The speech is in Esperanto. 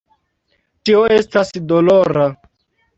Tio estas dolora.